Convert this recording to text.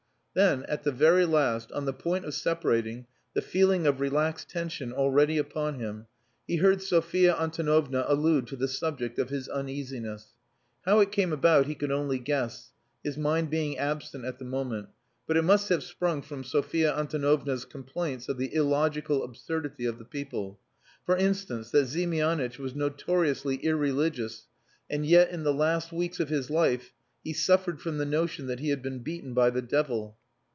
Then, at the very last, on the point of separating, the feeling of relaxed tension already upon him, he heard Sophia Antonovna allude to the subject of his uneasiness. How it came about he could only guess, his mind being absent at the moment, but it must have sprung from Sophia Antonovna's complaints of the illogical absurdity of the people. For instance that Ziemianitch was notoriously irreligious, and yet, in the last weeks of his life, he suffered from the notion that he had been beaten by the devil.